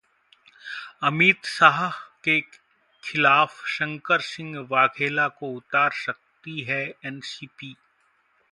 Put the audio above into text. अमित शाह के खिलाफ शंकर सिंह वाघेला को उतार सकती है एनसीपी